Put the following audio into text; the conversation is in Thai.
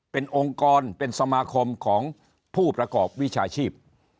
เป็นองค์กรเป็นสมาคมของผู้ประกอบวิชาชีพ